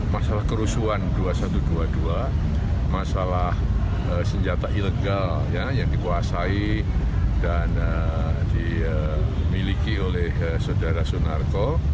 masalah kerusuhan dua ribu satu ratus dua puluh dua masalah senjata ilegal yang dikuasai dan dimiliki oleh saudara sunarko